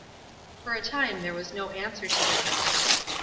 For a time there was no answer to this.